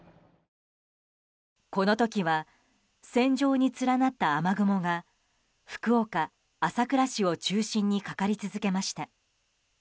この時は線状に連なった雨雲が福岡・朝倉市を中心にかかり続けました。